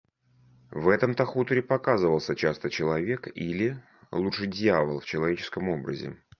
В этом-то хуторе показывался часто человек, или, лучше, дьявол в человеческом образе.